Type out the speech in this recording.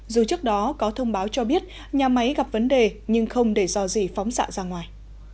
dù trước đó có thông báo cho biết nhà máy gặp vấn đề nhưng không để do gì phóng xạ ra ngoài